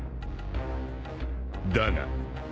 ［だが］